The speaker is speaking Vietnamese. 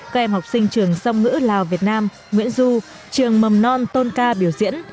các em học sinh trường song ngữ lào việt nam nguyễn du trường mầm non tôn ca biểu diễn